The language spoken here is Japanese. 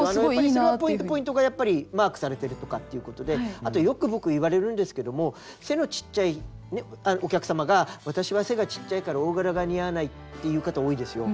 それはポイントポイントがやっぱりマークされてるとかっていうことでよく僕いわれるんですけども背のちっちゃいお客様が私は背がちっちゃいから大柄が似合わないっていう方多いですよ。